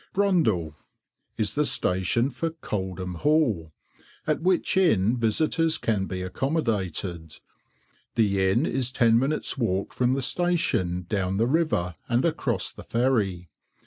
BRUNDALL Is the station for "Coldham Hall," at which inn visitors can be accommodated. The inn is ten minutes' walk from the station down the river, and across the ferry.